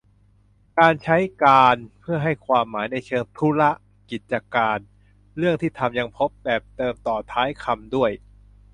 การใช้ "การ" เพื่อให้ความหมายในเชิง ธุระ กิจการ เรื่องที่ทำ ยังพบแบบเติมต่อท้ายคำด้วย